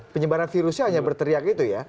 penyebaran virusnya hanya berteriak itu ya